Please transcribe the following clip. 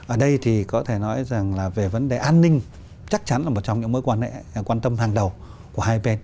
ở đây thì có thể nói rằng là về vấn đề an ninh chắc chắn là một trong những mối quan hệ quan tâm hàng đầu của hai bên